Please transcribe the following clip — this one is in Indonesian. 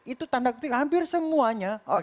itu tanda ketik hampir semuanya